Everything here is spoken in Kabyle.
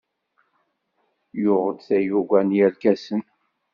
Yuɣ-d tayuga n yirkasen.